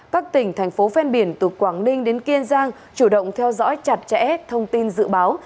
các tỉnh thành phố ven biển từ quảng ninh đến kiên giang chủ động theo dõi chặt chẽ thông tin dự báo